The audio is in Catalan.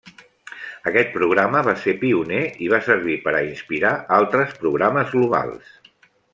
Aquest programa va ser pioner i va servir per a inspirar altres programes globals.